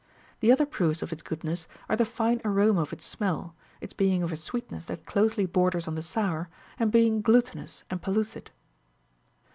The other proofs of its goodness are the fine aroma of its smell, its being of a sweetness that closely borders on the sour,38 and being glutinous and pellucid.